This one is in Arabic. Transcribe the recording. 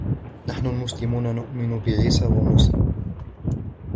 نحن المسلمون نؤمن بعيسى وموسى.